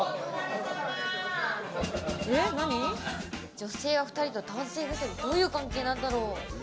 女性が２人と、男性が１人、どういう関係なんだろう？